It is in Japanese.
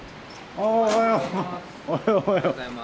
おはようございます。